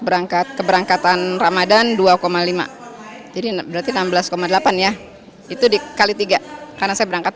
berangkat keberangkatan ramadhan dua lima jadi berarti enam belas delapan ya itu dikali tiga karena saya berangkat